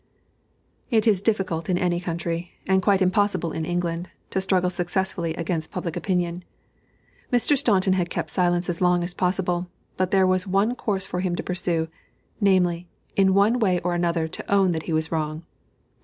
It is difficult in any country, and quite impossible in England, to struggle successfully against public opinion. Mr. Staunton had kept silence as long as possible, but there was but one course for him to pursue, namely, in one way or another to own that he was wrong.